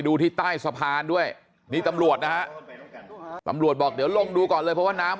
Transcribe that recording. ด้วยนี่ตำรวจนะฮะตำรวจบอกเดี๋ยวลงดูก่อนเลยเพราะว่าน้ำ